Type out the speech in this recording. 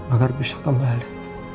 agar bisa kembali